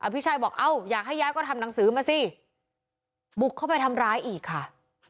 พี่ชัยบอกเอ้าอยากให้ย้ายก็ทำหนังสือมาสิบุกเข้าไปทำร้ายอีกค่ะ